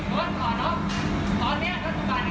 วางสุดที่โตไป